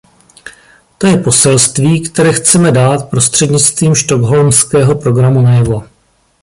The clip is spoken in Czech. To je poselství, které chceme dát prostřednictvím stockholmského programu najevo.